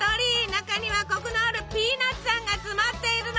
中にはコクのあるピーナツあんが詰まっているの！